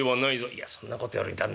「いやそんなことより旦那